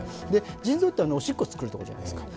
腎臓はおしっこを作るところじゃないですか。